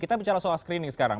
kita bicara soal screening sekarang